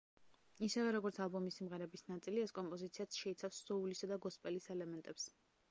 ისევე, როგორც ალბომის სიმღერების ნაწილი, ეს კომპოზიციაც შეიცავს სოულისა და გოსპელის ელემენტებს.